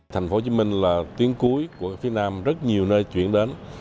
thành phố hồ chí minh là tuyến cuối của phía nam rất nhiều nơi chuyển đến